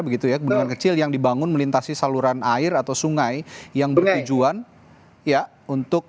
begitu ya bendungan kecil yang dibangun melintasi saluran air atau sungai yang bertujuan ya untuk